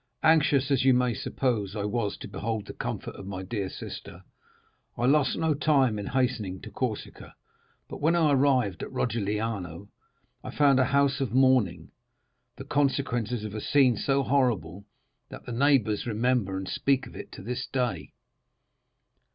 Anxious as you may suppose I was to behold and comfort my dear sister, I lost no time in hastening to Corsica, but when I arrived at Rogliano I found a house of mourning, the consequences of a scene so horrible that the neighbors remember and speak of it to this day.